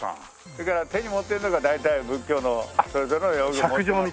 それから手に持ってるのが大体仏教のそれぞれの。